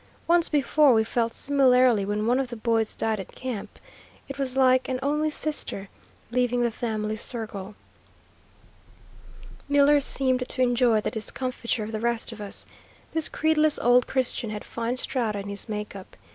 Once before we felt similarly when one of the boys died at camp. It was like an only sister leaving the family circle. Miller seemed to enjoy the discomfiture of the rest of us. This creedless old Christian had fine strata in his make up.